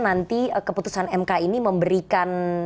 nanti keputusan mk ini memberikan